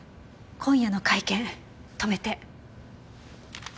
今夜の会見止めて。